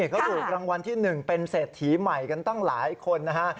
เขาถูกรางวัลที่๑เป็นเศรษฐีใหม่กันตั้งหลายคนนะฮะ